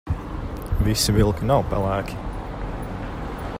Visi vilki nav pelēki.